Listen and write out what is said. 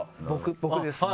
僕ですね。